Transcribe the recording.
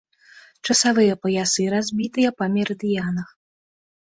Часавыя паясы разбітыя па мерыдыянах.